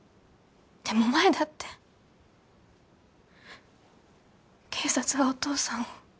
でも前だって警察はお父さんを。